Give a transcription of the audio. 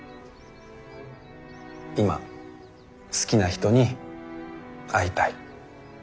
今好きな人に会いたい。